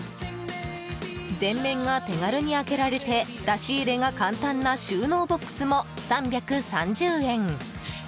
前面が手軽に開けられて出し入れが簡単な収納ボックスも、３３０円。